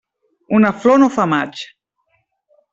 Una flor no fa maig.